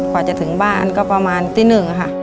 กว่าจะถึงบ้านก็ประมาณตีหนึ่งค่ะ